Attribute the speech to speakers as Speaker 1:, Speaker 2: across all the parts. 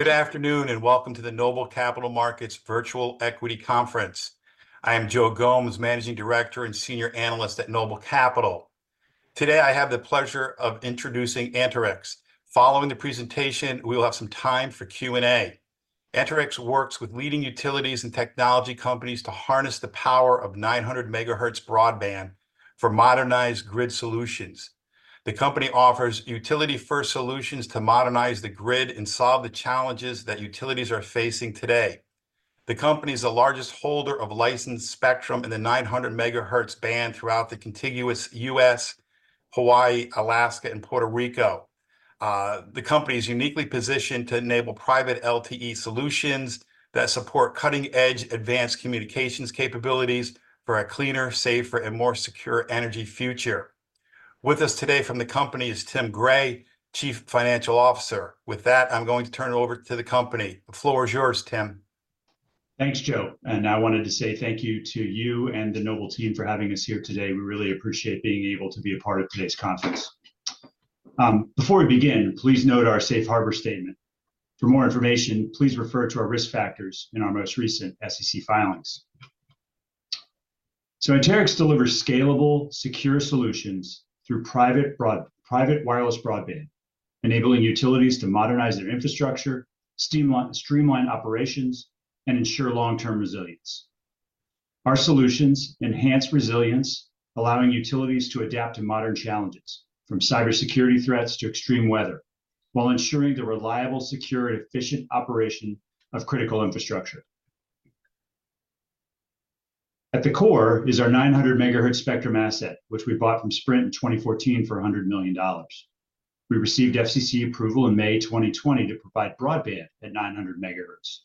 Speaker 1: Good afternoon, and welcome to the Noble Capital Markets Virtual Equity Conference. I am Joe Gomes, Managing Director and Senior Analyst at Noble Capital. Today, I have the pleasure of introducing Anterix. Following the presentation, we will have some time for Q&A. Anterix works with leading utilities and technology companies to harness the power of 900 MHz broadband for modernized grid solutions. The company offers utility-first solutions to modernize the grid and solve the challenges that utilities are facing today. The company is the largest holder of licensed spectrum in the 900 MHz band throughout the contiguous U.S., Hawaii, Alaska, and Puerto Rico. The company is uniquely positioned to enable private LTE solutions that support cutting-edge advanced communications capabilities for a cleaner, safer, and more secure energy future. With us today from the company is Tim Gray, Chief Financial Officer. With that, I'm going to turn it over to the company. The floor is yours, Tim.
Speaker 2: Thanks, Joe, and I wanted to say thank you to you and the Noble team for having us here today. We really appreciate being able to be a part of today's conference. Before we begin, please note our safe harbor statement. For more information, please refer to our risk factors in our most recent SEC filings. So Anterix delivers scalable, secure solutions through private wireless broadband, enabling utilities to modernize their infrastructure, streamline operations, and ensure long-term resilience. Our solutions enhance resilience, allowing utilities to adapt to modern challenges, from cybersecurity threats to extreme weather, while ensuring the reliable, secure, and efficient operation of critical infrastructure. At the core is our 900 MHz spectrum asset, which we bought from Sprint in 2014 for $100 million. We received FCC approval in May 2020 to provide broadband at 900 MHz.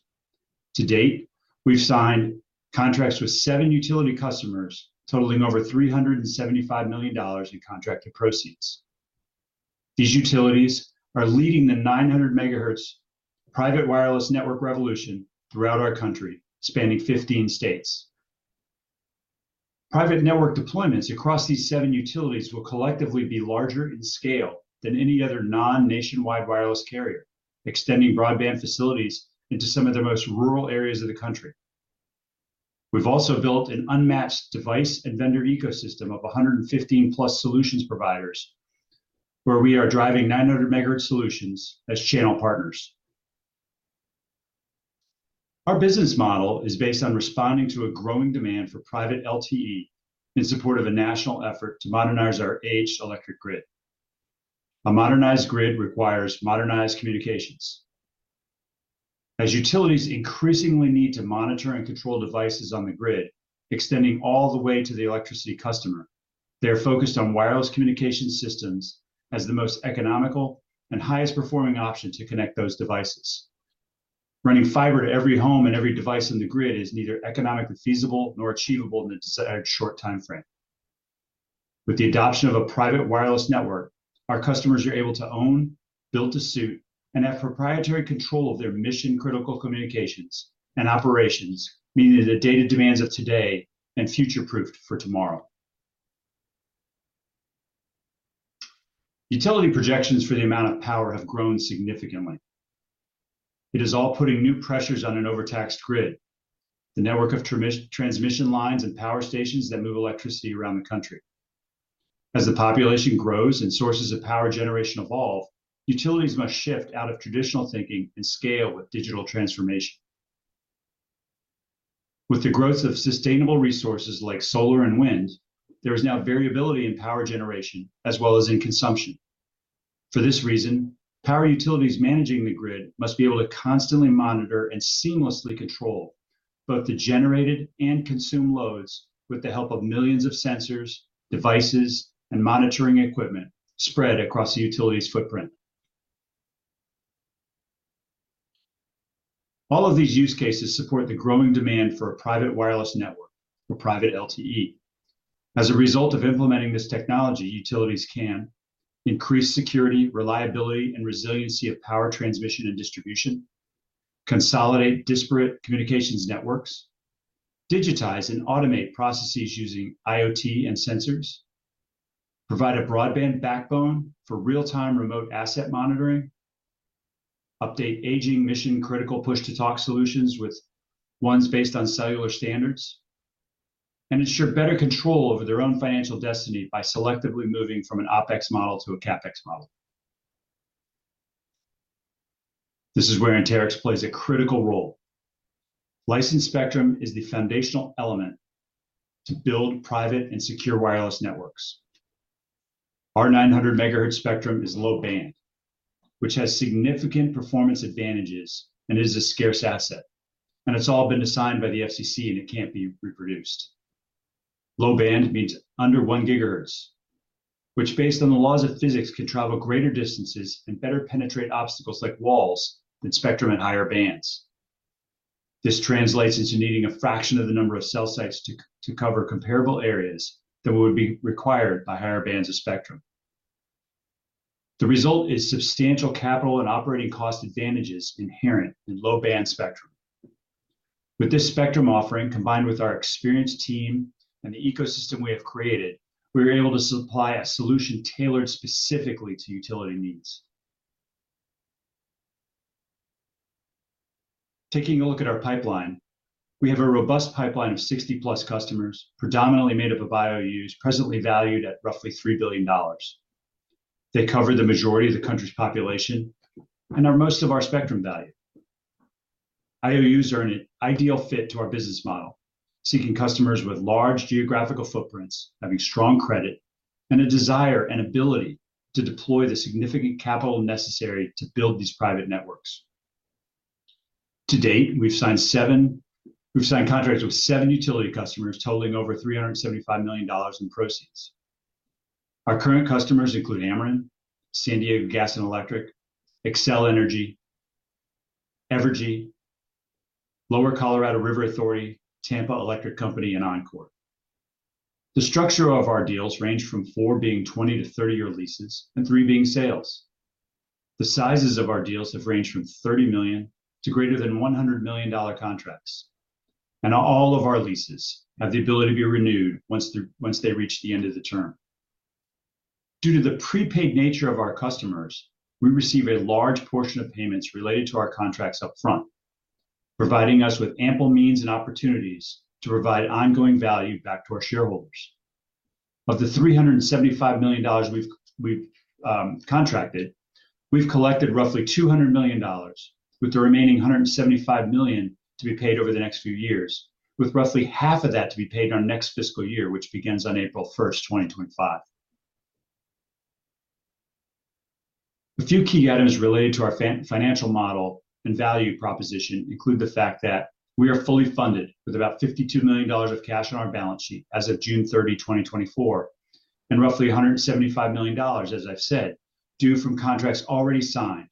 Speaker 2: To date, we've signed contracts with seven utility customers, totaling over $375 million in contracted proceeds. These utilities are leading the 900 MHz private wireless network revolution throughout our country, spanning 15 states. Private network deployments across these seven utilities will collectively be larger in scale than any other non-nationwide wireless carrier, extending broadband facilities into some of the most rural areas of the country. We've also built an unmatched device and vendor ecosystem of 115-plus solutions providers, where we are driving 900 MHz solutions as channel partners. Our business model is based on responding to a growing demand for private LTE in support of a national effort to modernize our aged electric grid. A modernized grid requires modernized communications. As utilities increasingly need to monitor and control devices on the grid, extending all the way to the electricity customer, they're focused on wireless communication systems as the most economical and highest-performing option to connect those devices. Running fiber to every home and every device in the grid is neither economically feasible nor achievable in a desired short timeframe. With the adoption of a private wireless network, our customers are able to own, build to suit, and have proprietary control of their mission-critical communications and operations, meeting the data demands of today and future-proofed for tomorrow. Utility projections for the amount of power have grown significantly. It is all putting new pressures on an overtaxed grid, the network of transmission lines and power stations that move electricity around the country. As the population grows and sources of power generation evolve, utilities must shift out of traditional thinking and scale with digital transformation. With the growth of sustainable resources like solar and wind, there is now variability in power generation as well as in consumption. For this reason, power utilities managing the grid must be able to constantly monitor and seamlessly control both the generated and consumed loads with the help of millions of sensors, devices, and monitoring equipment spread across the utility's footprint. All of these use cases support the growing demand for a private wireless network or private LTE. As a result of implementing this technology, utilities can increase security, reliability, and resiliency of power transmission and distribution, consolidate disparate communications networks, digitize and automate processes using IoT and sensors, provide a broadband backbone for real-time remote asset monitoring, update aging mission-critical push-to-talk solutions with ones based on cellular standards, and ensure better control over their own financial destiny by selectively moving from an OpEx model to a CapEx model. This is where Anterix plays a critical role. Licensed spectrum is the foundational element to build private and secure wireless networks. Our 900 MHz spectrum is low band, which has significant performance advantages and is a scarce asset, and it's all been assigned by the FCC, and it can't be reproduced. Low-band means under one gigahertz, which, based on the laws of physics, can travel greater distances and better penetrate obstacles like walls than spectrum in higher bands. This translates into needing a fraction of the number of cell sites to cover comparable areas than what would be required by higher bands of spectrum. The result is substantial capital and operating cost advantages inherent in low-band spectrum. With this spectrum offering, combined with our experienced team and the ecosystem we have created, we are able to supply a solution tailored specifically to utility needs. Taking a look at our pipeline, we have a robust pipeline of 60-plus customers, predominantly made up of IOUs, presently valued at roughly $3 billion. They cover the majority of the country's population and are most of our spectrum value. IOUs are an ideal fit to our business model, seeking customers with large geographical footprints, having strong credit, and a desire and ability to deploy the significant capital necessary to build these private networks. To date, we've signed contracts with seven utility customers, totaling over $375 million in proceeds. Our current customers include Ameren, San Diego Gas & Electric, Xcel Energy, Evergy, Lower Colorado River Authority, Tampa Electric Company, and Oncor. The structure of our deals range from four being 20-to-30-year leases and three being sales. The sizes of our deals have ranged from $30 million to greater than $100 million contracts, and all of our leases have the ability to be renewed once they reach the end of the term. Due to the prepaid nature of our customers, we receive a large portion of payments related to our contracts upfront, providing us with ample means and opportunities to provide ongoing value back to our shareholders. Of the $375 million we've contracted, we've collected roughly $200 million, with the remaining $175 million to be paid over the next few years, with roughly half of that to be paid in our next fiscal year, which begins on April 1, 2025. A few key items related to our financial model and value proposition include the fact that we are fully funded with about $52 million of cash on our balance sheet as of June 30, 2024, and roughly $175 million, as I've said, due from contracts already signed,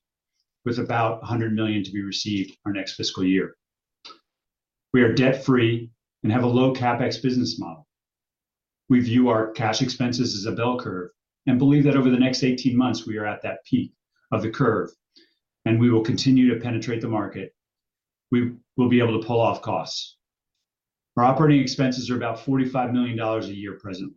Speaker 2: with about $100 million to be received in our next fiscal year. We are debt-free and have a low CapEx business model. We view our cash expenses as a bell curve and believe that over the next 18 months, we are at that peak of the curve, and we will continue to penetrate the market. We will be able to peel off costs. Our operating expenses are about $45 million a year presently.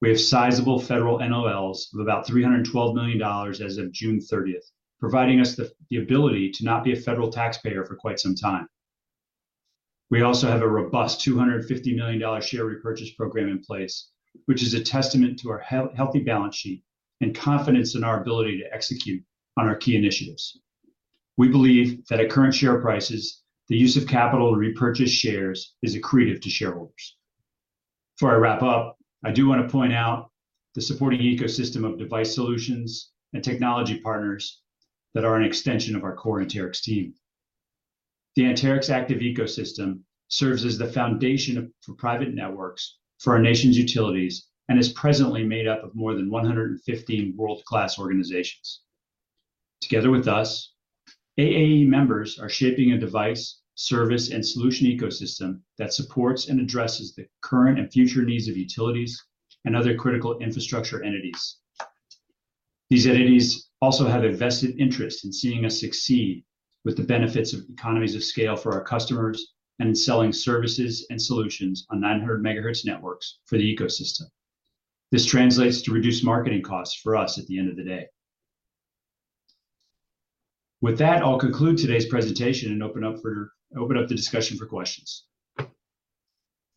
Speaker 2: We have sizable federal NOLs of about $312 million as of June thirtieth, providing us the ability to not be a federal taxpayer for quite some time. We also have a robust $250 million share repurchase program in place, which is a testament to our healthy balance sheet and confidence in our ability to execute on our key initiatives. We believe that at current share prices, the use of capital to repurchase shares is accretive to shareholders. Before I wrap up, I do want to point out the supporting ecosystem of device solutions and technology partners that are an extension of our core Anterix team. The Anterix Active Ecosystem serves as the foundation for private networks for our nation's utilities and is presently made up of more than 150 world-class organizations. Together with us, AAE members are shaping a device, service, and solution ecosystem that supports and addresses the current and future needs of utilities and other critical infrastructure entities. These entities also have a vested interest in seeing us succeed, with the benefits of economies of scale for our customers and in selling services and solutions on 900 MHz networks for the ecosystem. This translates to reduced marketing costs for us at the end of the day. With that, I'll conclude today's presentation and open up the discussion for questions.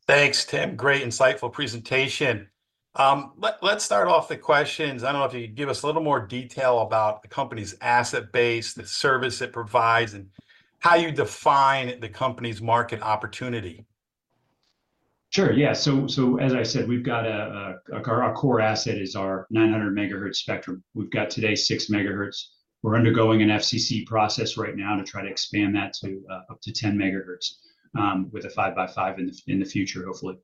Speaker 1: Thanks, Tim. Great, insightful presentation. Let's start off the questions. I don't know if you could give us a little more detail about the company's asset base, the service it provides, and how you define the company's market opportunity.
Speaker 2: Sure, yeah. So as I said, we've got our core asset is our 900 MHz spectrum. We've got today 6 MHz. We're undergoing an FCC process right now to try to expand that to up to 10 MHz with a 5x5 in the future, hopefully.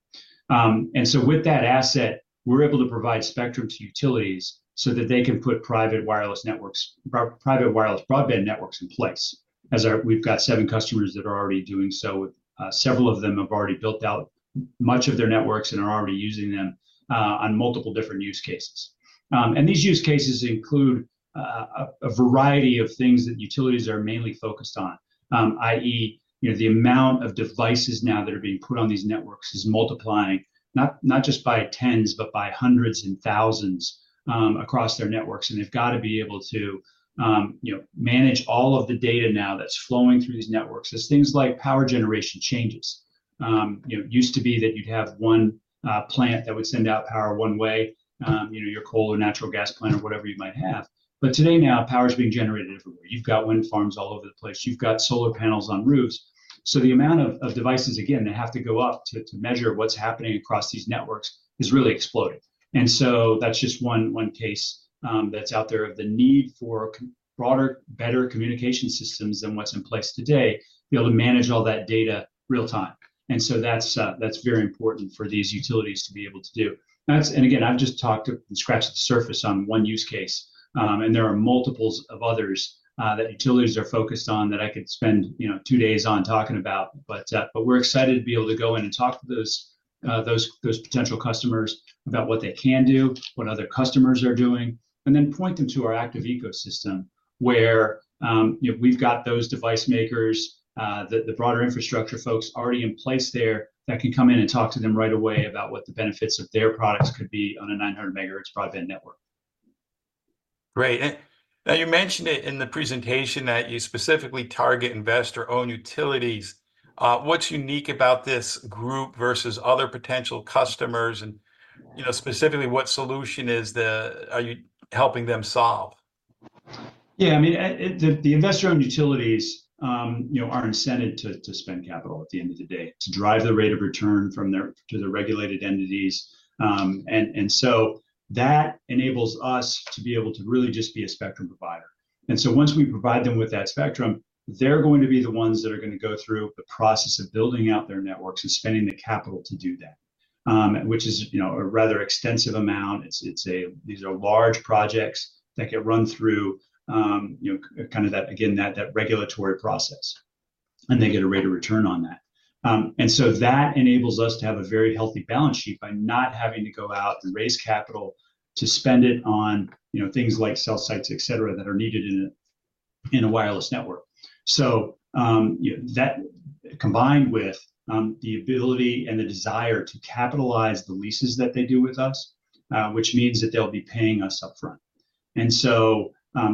Speaker 2: And so with that asset, we're able to provide spectrum to utilities so that they can put private wireless broadband networks in place. We've got seven customers that are already doing so. With several of them have already built out much of their networks and are already using them on multiple different use cases. And these use cases include a variety of things that utilities are mainly focused on. You know, the amount of devices now that are being put on these networks is multiplying, not just by tens, but by hundreds and thousands, across their networks, and they've got to be able to, you know, manage all of the data now that's flowing through these networks. There's things like power generation changes. You know, used to be that you'd have one plant that would send out power one way, you know, your coal or natural gas plant or whatever you might have, but today, now, power is being generated everywhere. You've got wind farms all over the place. You've got solar panels on roofs, so the amount of devices, again, that have to go up to measure what's happening across these networks is really exploding. And so that's just one case that's out there of the need for broader, better communication systems than what's in place today, to be able to manage all that data real time. And so that's very important for these utilities to be able to do. That's and again, I've just scratched the surface on one use case, and there are multiples of others that utilities are focused on that I could spend, you know, two days on talking about. but we're excited to be able to go in and talk to those potential customers about what they can do, what other customers are doing, and then point them to our Active Ecosystem where, you know, we've got those device makers, the broader infrastructure folks already in place there that can come in and talk to them right away about what the benefits of their products could be on a 900 MHz broadband network.
Speaker 1: Great. And now, you mentioned it in the presentation that you specifically target investor-owned utilities. What's unique about this group versus other potential customers? And, you know, specifically, what solution are you helping them solve?
Speaker 2: Yeah, I mean, the investor-owned utilities, you know, are incented to spend capital at the end of the day to drive the rate of return to the regulated entities. So that enables us to be able to really just be a spectrum provider. And so once we provide them with that spectrum, they're going to be the ones that are gonna go through the process of building out their networks and spending the capital to do that. Which is, you know, a rather extensive amount. These are large projects that get run through, you know, kind of that regulatory process, and they get a rate of return on that. and so that enables us to have a very healthy balance sheet by not having to go out and raise capital to spend it on, you know, things like cell sites, et cetera, that are needed in a wireless network. So, you know, that combined with the ability and the desire to capitalize the leases that they do with us, which means that they'll be paying us upfront. And so,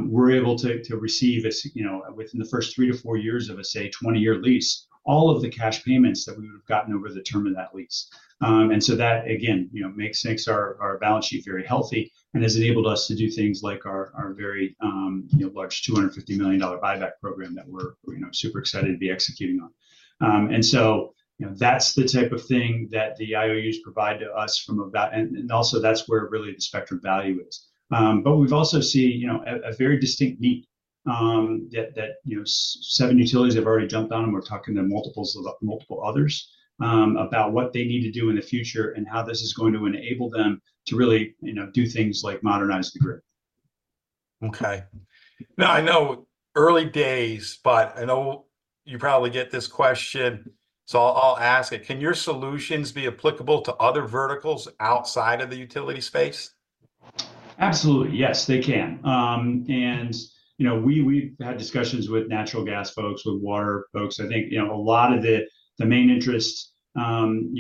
Speaker 2: we're able to receive, you know, within the first three to four years of a, say, 20-year lease, all of the cash payments that we would've gotten over the term of that lease. And so that, again, you know, makes our balance sheet very healthy and has enabled us to do things like our very large $250 million buyback program that we're, you know, super excited to be executing on. And so, you know, that's the type of thing that the IOUs provide to us from a value and also that's where really the spectrum value is. But we've also seen, you know, a very distinct need that seven utilities have already jumped on, and we're talking to multiple others about what they need to do in the future and how this is going to enable them to really, you know, do things like modernize the grid.
Speaker 1: Okay. Now, I know early days, but I know you probably get this question, so I'll ask it. Can your solutions be applicable to other verticals outside of the utility space?
Speaker 2: Absolutely, yes, they can. And, you know, we, we've had discussions with natural gas folks, with water folks. I think, you know, a lot of the main interest, you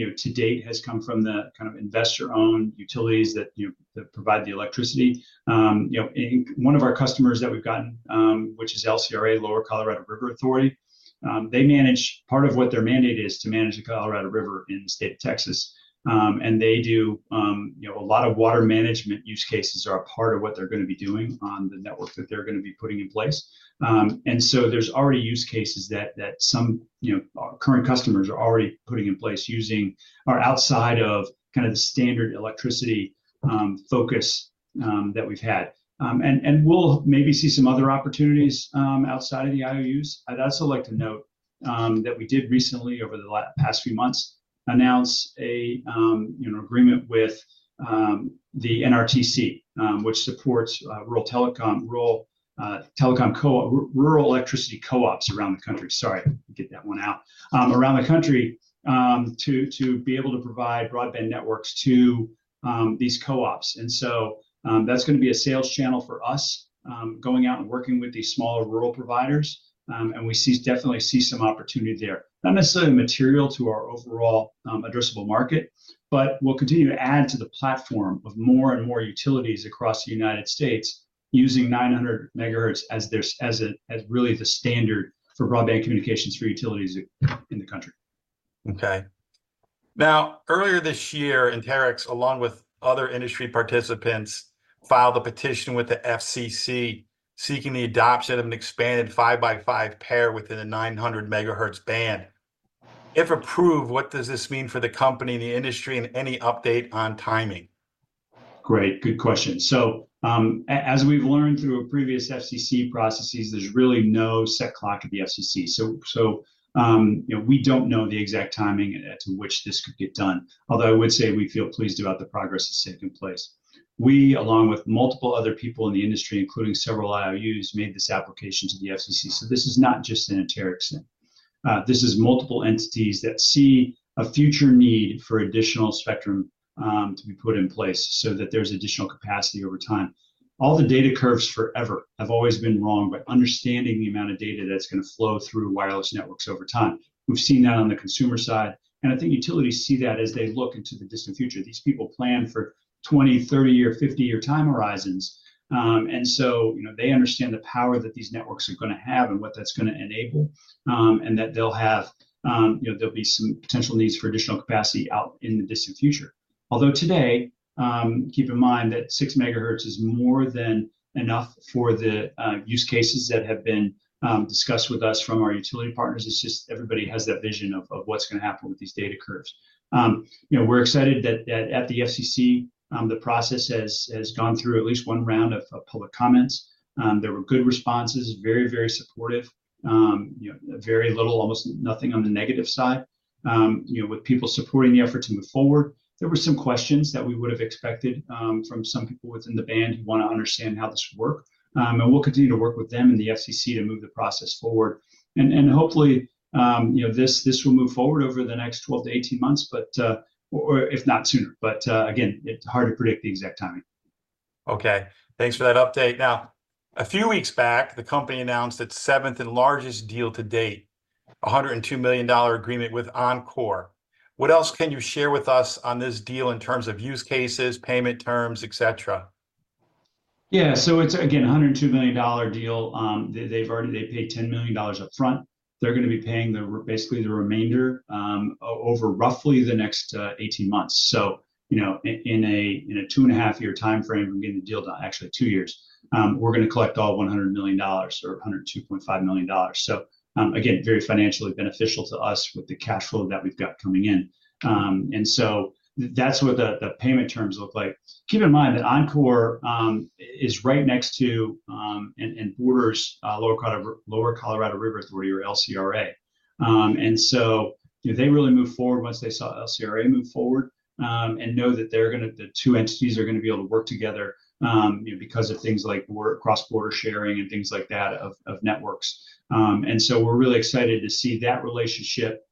Speaker 2: know, to date, has come from the kind of investor-owned utilities that, you know, that provide the electricity. You know, and one of our customers that we've gotten, which is LCRA, Lower Colorado River Authority, they manage. Part of what their mandate is to manage the Colorado River in the state of Texas. And they do, you know, a lot of water management use cases are a part of what they're gonna be doing on the network that they're gonna be putting in place. And so there's already use cases that some, you know, current customers are already putting in place using that are outside of kind of the standard electricity focus that we've had. And we'll maybe see some other opportunities outside of the IOUs. I'd also like to note that we did recently, over the past few months, announce a, you know, agreement with the NRTC, which supports rural telecom co-op, rural electricity co-ops around the country. Sorry, get that one out. Around the country to be able to provide broadband networks to these co-ops. And so that's gonna be a sales channel for us going out and working with these smaller rural providers. And we see, definitely see some opportunity there. Not necessarily material to our overall addressable market, but we'll continue to add to the platform of more and more utilities across the United States, using 900 MHz as really the standard for broadband communications for utilities in the country.
Speaker 1: Okay. Now, earlier this year, Anterix, along with other industry participants, filed a petition with the FCC, seeking the adoption of an expanded 5x5 pair within the 900 MHz band. If approved, what does this mean for the company, the industry, and any update on timing?
Speaker 2: Great, good question. As we've learned through previous FCC processes, there's really no set clock at the FCC. You know, we don't know the exact timing as to which this could get done, although I would say we feel pleased about the progress that's taking place. We, along with multiple other people in the industry, including several IOUs, made this application to the FCC, so this is not just an Anterix thing. This is multiple entities that see a future need for additional spectrum to be put in place so that there's additional capacity over time. All the data curves forever have always been wrong about understanding the amount of data that's gonna flow through wireless networks over time. We've seen that on the consumer side, and I think utilities see that as they look into the distant future. These people plan for 20, 30 year, 50 year time horizons. And so, you know, they understand the power that these networks are gonna have and what that's gonna enable, and that they'll have, you know, there'll be some potential needs for additional capacity out in the distant future. Although today, keep in mind that 6 MHz is more than enough for the use cases that have been discussed with us from our utility partners. It's just everybody has that vision of what's gonna happen with these data curves. You know, we're excited that at the FCC, the process has gone through at least one round of public comments. There were good responses, very, very supportive. You know, very little, almost nothing on the negative side... You know, with people supporting the effort to move forward, there were some questions that we would've expected from some people within the band who wanna understand how this would work. We'll continue to work with them and the FCC to move the process forward. Hopefully, you know, this will move forward over the next 12-18 months, but or if not sooner. Again, it's hard to predict the exact timing.
Speaker 1: Okay. Thanks for that update. Now, a few weeks back, the company announced its seventh and largest deal to date, $102 million agreement with Oncor. What else can you share with us on this deal in terms of use cases, payment terms, et cetera?
Speaker 2: Yeah, so it's, again, $102 million deal. They've already. They paid $10 million upfront. They're gonna be paying the remainder basically over roughly the next 18 months. So, you know, in a two and a half year timeframe from getting the deal done, actually two years, we're gonna collect all $100 million or $102.5 million. So, again, very financially beneficial to us with the cash flow that we've got coming in. And so that's what the payment terms look like. Keep in mind that Oncor is right next to and borders Lower Colorado River. Lower Colorado River Authority, or LCRA. And so, you know, they really moved forward once they saw LCRA move forward, and know that the two entities are gonna be able to work together, you know, because of things like cross-border sharing and things like that of networks. And so we're really excited to see that relationship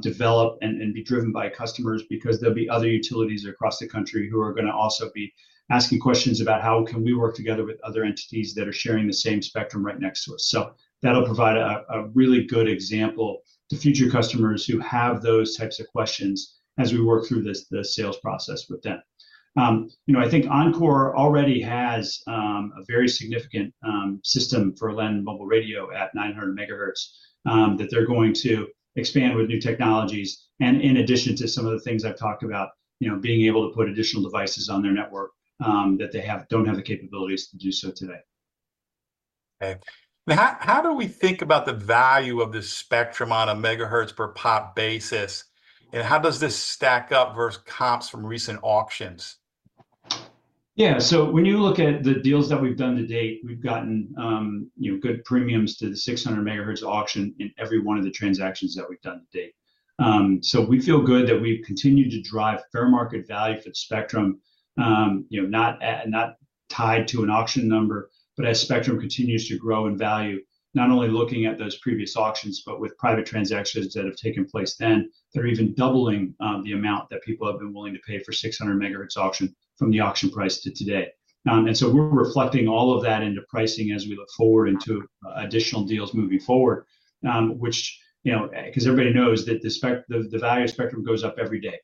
Speaker 2: develop and be driven by customers because there'll be other utilities across the country who are gonna also be asking questions about, "How can we work together with other entities that are sharing the same spectrum right next to us?" So that'll provide a really good example to future customers who have those types of questions as we work through this, the sales process with them. You know, I think Oncor already has a very significant system for land mobile radio at 900 MHz that they're going to expand with new technologies, and in addition to some of the things I've talked about, you know, being able to put additional devices on their network that they don't have the capabilities to do so today.
Speaker 1: Okay. Now, how do we think about the value of this spectrum on a MHz per pop basis, and how does this stack up versus comps from recent auctions?
Speaker 2: Yeah, so when you look at the deals that we've done to date, we've gotten, you know, good premiums to the 600 MHz auction in every one of the transactions that we've done to date. So we feel good that we've continued to drive fair market value for the spectrum. You know, not tied to an auction number, but as spectrum continues to grow in value, not only looking at those previous auctions, but with private transactions that have taken place, then they're even doubling, the amount that people have been willing to pay for 600 MHz auction from the auction price to today. And so we're reflecting all of that into pricing as we look forward into additional deals moving forward. Which, you know, because everybody knows that the value of spectrum goes up every day.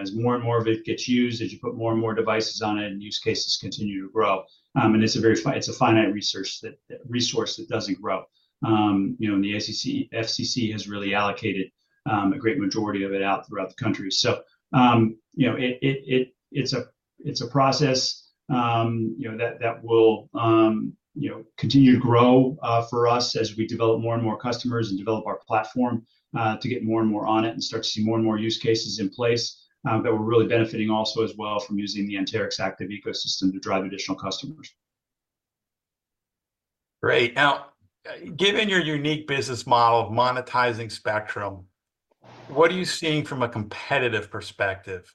Speaker 2: As more and more of it gets used, as you put more and more devices on it, and use cases continue to grow. And it's a very finite resource that doesn't grow. You know, and the FCC has really allocated a great majority of it out throughout the country. So, you know, it's a process that will continue to grow for us as we develop more and more customers and develop our platform to get more and more on it, and start to see more and more use cases in place. That we're really benefiting also as well from using the Anterix Active Ecosystem to drive additional customers.
Speaker 1: Great. Now, given your unique business model of monetizing spectrum, what are you seeing from a competitive perspective?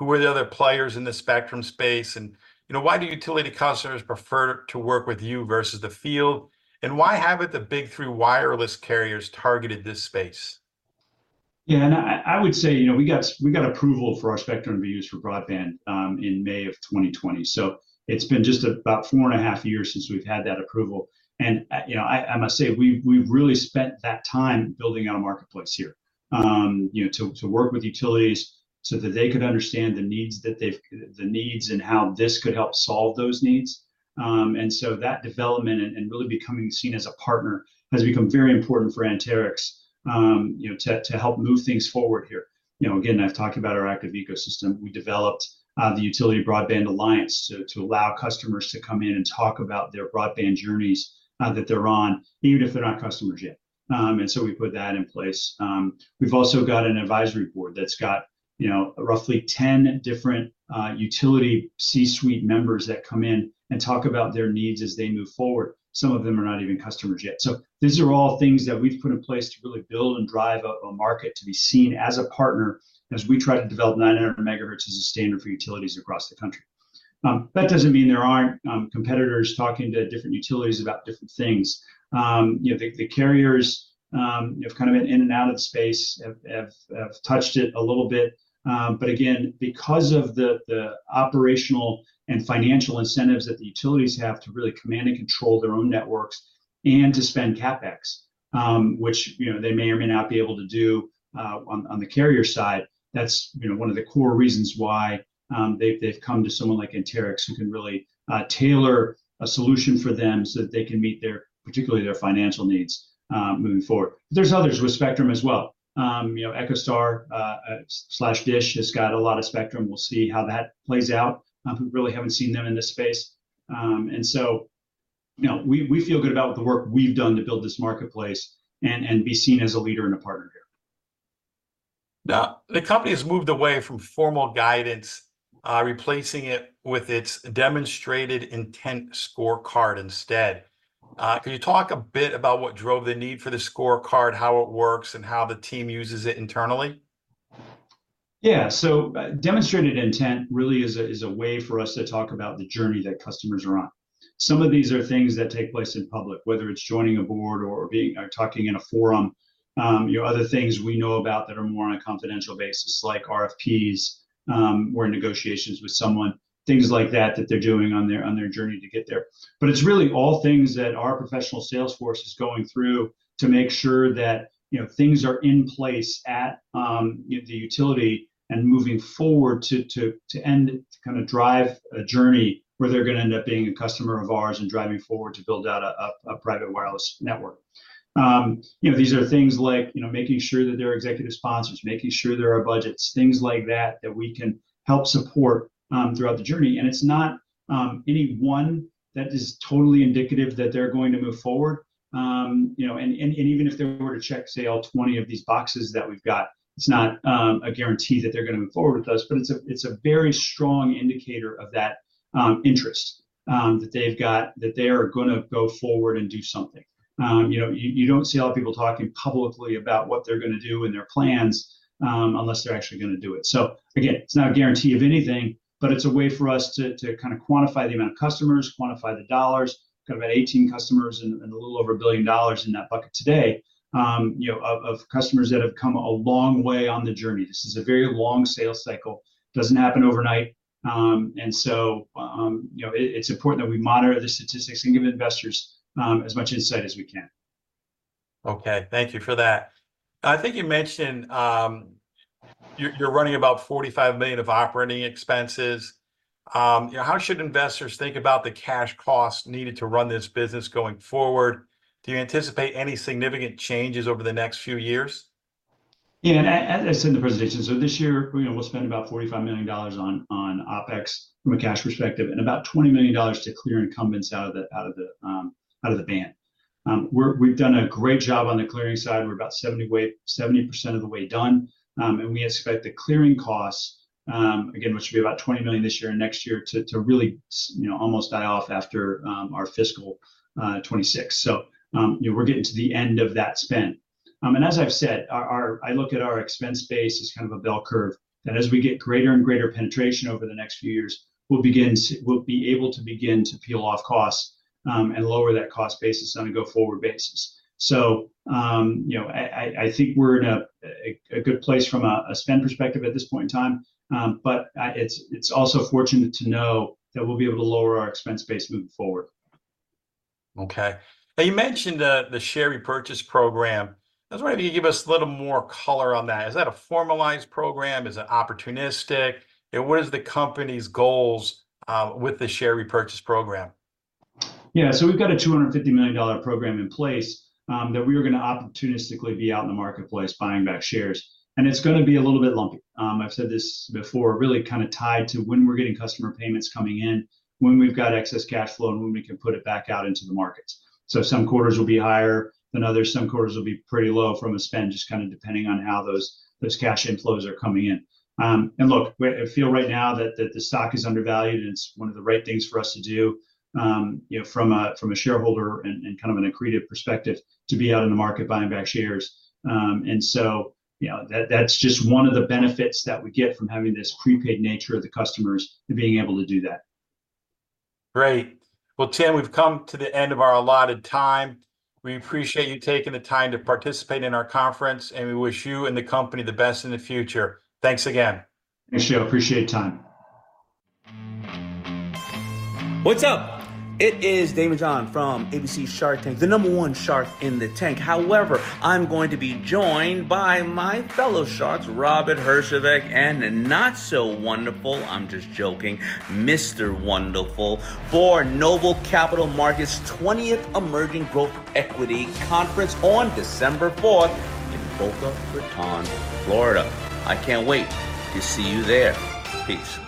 Speaker 1: Who are the other players in the spectrum space? And, you know, why do utility customers prefer to work with you versus the field? And why haven't the Big Three wireless carriers targeted this space?
Speaker 2: Yeah. And I would say, you know, we got approval for our spectrum to be used for broadband in May of 2020. So it's been just about four and a half years since we've had that approval. And you know, I must say, we've really spent that time building our marketplace here. You know, to work with utilities so that they could understand the needs and how this could help solve those needs. And so that development and really becoming seen as a partner has become very important for Anterix. You know, to help move things forward here. You know, again, I've talked about our Active Ecosystem. We developed the Utility Broadband Alliance, so to allow customers to come in and talk about their broadband journeys that they're on, even if they're not customers yet, and so we put that in place. We've also got an advisory board that's got, you know, roughly 10 different utility C-suite members that come in and talk about their needs as they move forward. Some of them are not even customers yet, so these are all things that we've put in place to really build and drive a market to be seen as a partner as we try to develop 900 MHz as a standard for utilities across the country. That doesn't mean there aren't competitors talking to different utilities about different things. You know, the carriers have kind of been in and out of the space, have touched it a little bit. But again, because of the operational and financial incentives that the utilities have to really command and control their own networks and to spend CapEx, which, you know, they may or may not be able to do, on the carrier side, that's, you know, one of the core reasons why, they've come to someone like Anterix, who can really tailor a solution for them so that they can meet their, particularly their financial needs, moving forward. There's others with spectrum as well. You know, EchoStar/Dish has got a lot of spectrum. We'll see how that plays out. We really haven't seen them in this space. And so, you know, we feel good about the work we've done to build this marketplace and be seen as a leader and a partner here.
Speaker 1: Now, the company has moved away from formal guidance, replacing it with its Demonstrated Intent Scorecard instead. Can you talk a bit about what drove the need for the scorecard, how it works, and how the team uses it internally?
Speaker 2: Yeah. So, Demonstrated Intent really is a way for us to talk about the journey that customers are on. Some of these are things that take place in public, whether it's joining a board or being or talking in a forum. You know, other things we know about that are more on a confidential basis, like RFPs, or negotiations with someone, things like that, that they're doing on their journey to get there. But it's really all things that our professional sales force is going through to make sure that, you know, things are in place at the utility and moving forward to end, to kind of drive a journey where they're gonna end up being a customer of ours and driving forward to build out a private wireless network. You know, these are things like, you know, making sure that there are executive sponsors, making sure there are budgets, things like that, that we can help support throughout the journey. It's not any one that is totally indicative that they're going to move forward. You know, and even if they were to check, say, all 20 of these boxes that we've got, it's not a guarantee that they're gonna move forward with us, but it's a very strong indicator of that interest that they've got, that they are gonna go forward and do something. You know, you don't see a lot of people talking publicly about what they're gonna do and their plans unless they're actually gonna do it. So again, it's not a guarantee of anything, but it's a way for us to kind of quantify the amount of customers, quantify the dollars. We've got about 18 customers and a little over $1 billion in that bucket today, you know, of customers that have come a long way on the journey. This is a very long sales cycle. Doesn't happen overnight. And so, you know, it's important that we monitor the statistics and give investors as much insight as we can.
Speaker 1: Okay, thank you for that. I think you mentioned you're running about $45 million of operating expenses. You know, how should investors think about the cash costs needed to run this business going forward? Do you anticipate any significant changes over the next few years?
Speaker 2: Yeah, as in the presentation, so this year, you know, we'll spend about $45 million on OpEx from a cash perspective, and about $20 million to clear incumbents out of the band. We've done a great job on the clearing side. We're about 70% of the way done. And we expect the clearing costs, again, which will be about $20 million this year and next year, to really, you know, almost die off after our fiscal 2026. So, you know, we're getting to the end of that spend. And as I've said, our, our... I look at our expense base as kind of a bell curve, that as we get greater and greater penetration over the next few years, we'll be able to begin to peel off costs and lower that cost basis on a go-forward basis. You know, I think we're in a good place from a spend perspective at this point in time. It's also fortunate to know that we'll be able to lower our expense base moving forward.
Speaker 1: Okay. Now, you mentioned the share repurchase program. I was wondering if you could give us a little more color on that. Is that a formalized program? Is it opportunistic? And what is the company's goals with the share repurchase program?
Speaker 2: Yeah. So we've got a $250 million program in place, that we are gonna opportunistically be out in the marketplace buying back shares, and it's gonna be a little bit lumpy. I've said this before, really kind of tied to when we're getting customer payments coming in, when we've got excess cash flow, and when we can put it back out into the markets. So some quarters will be higher than others, some quarters will be pretty low from a spend, just kind of depending on how those cash inflows are coming in. And look, we, I feel right now that the stock is undervalued, and it's one of the right things for us to do, you know, from a, from a shareholder and, and kind of an accretive perspective, to be out in the market buying back shares. And so, you know, that, that's just one of the benefits that we get from having this prepaid nature of the customers and being able to do that.
Speaker 1: Great! Well, Tim, we've come to the end of our allotted time. We appreciate you taking the time to participate in our conference, and we wish you and the company the best in the future. Thanks again.
Speaker 2: Thanks, Joe. I appreciate the time. What's up? It is Daymond John from ABC's Shark Tank, the number one shark in the tank. However, I'm going to be joined by my fellow sharks, Robert Herjavec, and the not so wonderful, I'm just joking, Mr. Wonderful, for Noble Capital Markets 20th Emerging Growth Equity Conference on December 4th in Boca Raton, Florida. I can't wait to see you there. Peace.